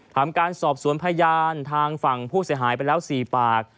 ทำการสอบสวนพยานทางฝั่งผู้เสียหายไปแล้ว๔ปาก